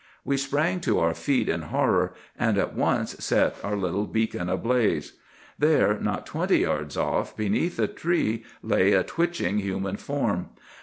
We sprang to our feet in horror, and at once set our little beacon ablaze. "There, not twenty yards off, beneath a tree, lay a twitching human form.